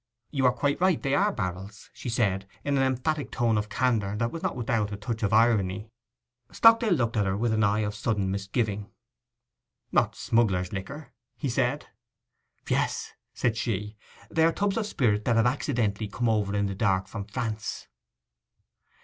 'You are quite right, they are barrels,' she said, in an emphatic tone of candour that was not without a touch of irony. Stockdale looked at her with an eye of sudden misgiving. 'Not smugglers' liquor?' he said. 'Yes,' said she. 'They are tubs of spirit that have accidentally come over in the dark from France.